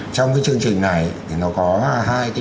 trong cái chương trình này thì nó có hai cái